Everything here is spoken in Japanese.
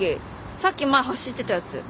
さっき前走ってたやつ。